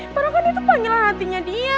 padahal kan itu panggilan hatinya dia